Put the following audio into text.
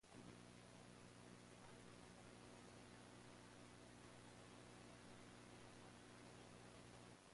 Global Maritime in turn chartered the "Marco Polo" to the Germany-based Transocean Tours.